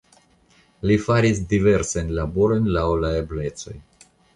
Li faris diversajn laborojn laŭ la eblecoj.